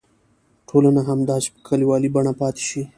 ټولنه همداسې په کلیوالي بڼه پاتې شي.